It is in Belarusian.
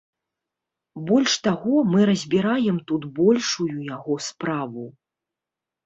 Больш таго, мы разбіраем тут большую яго справу.